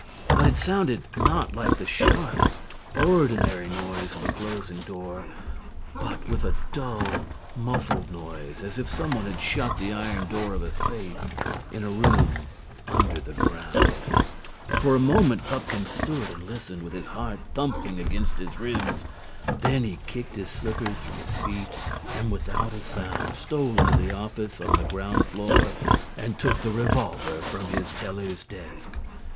But it sounded not like the sharp ordinary noise of a closing door but with a dull muffled noise as if someone had shut the iron door of a safe in a room under the ground. For a moment Pupkin stood and listened with his heart thumping against his ribs. Then he kicked his slippers from his feet and without a sound stole into the office on the ground floor and took the revolver from his teller's desk.